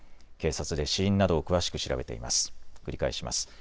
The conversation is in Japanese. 警察で死因などを詳しく調べています。